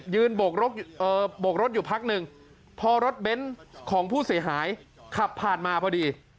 โบกรถอยู่พักหนึ่งพอรถเบ้นของผู้เสียหายขับผ่านมาพอดี